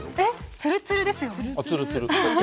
つるつるですよね。